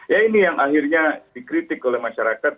ya ini yang akhirnya dikritik oleh masyarakat